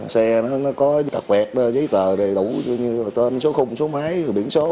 xe nó có đặt vẹt giấy tờ đầy đủ như là tên số khung số máy biển số